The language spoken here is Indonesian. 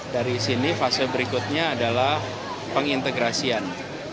dari sini fase berikutnya adalah pengintegrasian